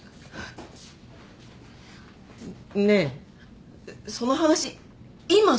ねえその話今するの？